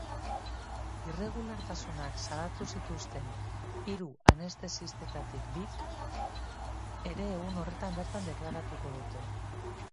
Irregulartasunak salatu zituzten hiru anestesistetatik bik ere egun horretan bertan deklaratuko dute.